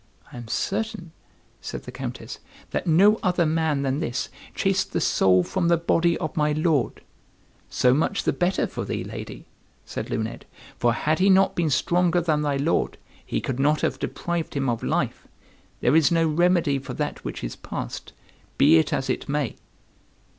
"I am certain," said the Countess, "that no other man than this chased the soul from the body of my lord." "So much the better for thee, lady," said Luned, "for had he not been stronger than thy lord, he could not have deprived him of life. There is no remedy for that which is past, be it as it may."